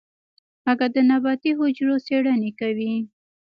اگه د نباتي حجرو څېړنې کوي.